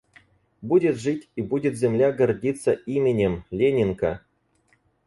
Будет жить, и будет земля гордиться именем: Ленинка.